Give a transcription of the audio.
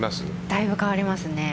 だいぶ変わりますね。